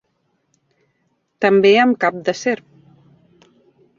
També amb cap de serp.